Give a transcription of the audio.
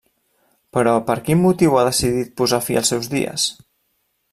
Però per quin motiu ha decidit posar fi als seus dies?